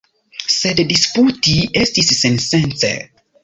Sed disputi estis sensence.